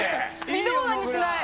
微動だにしない。